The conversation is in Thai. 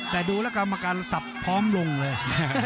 แต่ดูละก็ออกมาการสับพร้อมลงเลย